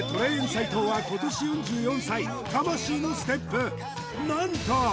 斎藤は今年４４歳魂のステップなんと